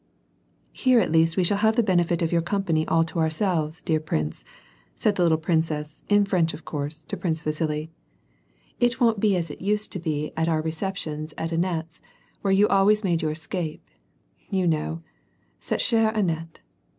" Here at least we shall have the benefit of your company all to ourselves, dear ])rince," said the little princess — in French of course — to Prince Vasili, " It won't be as it used 208 ^^R A^D PEACE. to be at our receptions at Annette's, where you always made your escape, you know — citte chere Annette